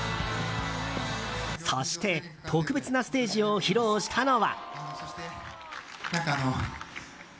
そして、特別なステージを披露したのは。